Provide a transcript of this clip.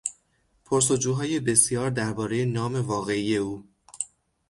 پرس و جوهای بسیار دربارهی نام واقعی او